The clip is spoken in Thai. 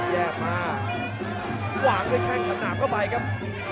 แยกมาวางด้วยแค่น้ำเข้าไปครับ